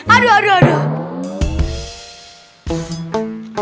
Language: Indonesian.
aduh aduh aduh